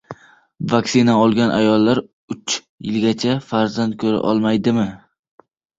Vaksina olgan ayollar uch yilgacha farzand ko‘ra olmaydimi?